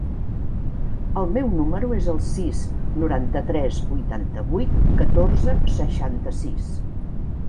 El meu número es el sis, noranta-tres, vuitanta-vuit, catorze, seixanta-sis.